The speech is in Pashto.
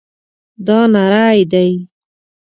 دا نری دی